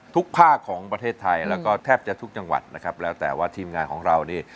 ภาคของประเทศไทยแล้วก็แทบจะทุกจังหวัดนะครับแล้วแต่ว่าทีมงานของเรานี่